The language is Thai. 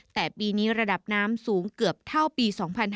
แต่ปีนี้ระดับน้ำสูงเกือบเท่าปี๒๕๕๙